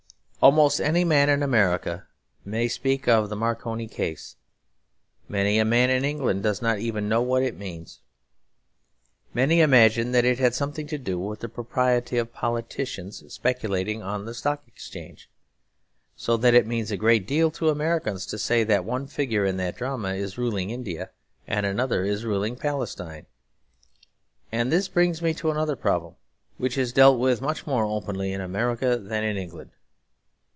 Almost any man in America may speak of the Marconi Case; many a man in England does not even know what it means. Many imagine that it had something to do with the propriety of politicians speculating on the Stock Exchange. So that it means a great deal to Americans to say that one figure in that drama is ruling India and another is ruling Palestine. And this brings me to another problem, which is also dealt with much more openly in America than in England.